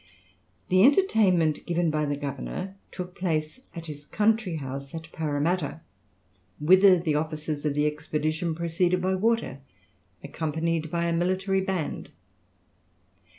The entertainment given by the governor took place at his country house at Paramatta, whither the officers of the expedition proceeded by water, accompanied by a military band.